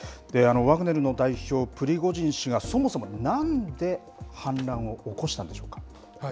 ワグネルの代表、プリゴジン氏が、そもそもなんで反乱を起こしたんでしょうか。